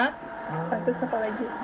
satu setelah itu